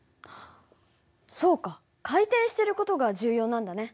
そうか回転してる事が重要なんだね。